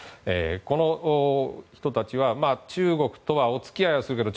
この人たちは中国とはお付き合いはするけど